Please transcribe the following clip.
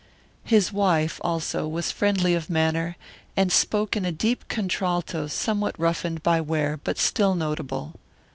His wife, also, was friendly of manner, and spoke in a deep contralto somewhat roughened by wear but still notable.